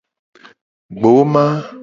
Gboma.